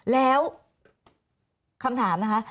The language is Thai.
แล้วคำถามนะคะ